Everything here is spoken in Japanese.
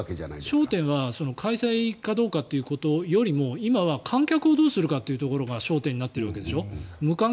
焦点は開催かどうかということよりも今は観客をどうするかというのが焦点になっているでしょ。